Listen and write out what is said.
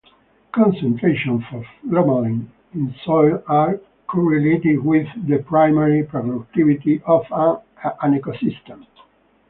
Concentrations of glomalin in soil are correlated with the primary productivity of an ecosystem.